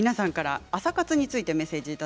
朝活についてメッセージです。